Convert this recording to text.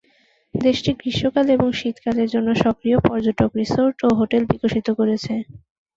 দেশটি গ্রীষ্মকাল এবং শীতকালের জন্য সক্রিয় পর্যটক রিসোর্ট ও হোটেল বিকশিত করেছে।